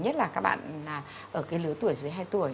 nhất là các bạn ở cái lứa tuổi dưới hai tuổi